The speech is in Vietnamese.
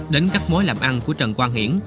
đến các mối làm ăn của trần quang hiển